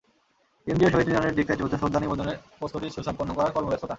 কেন্দ্রীয় শহীদ মিনারের দিকটায় চলছে শ্রদ্ধা নিবেদনের প্রস্তুতি সুসম্পন্ন করার কর্মব্যস্ততা।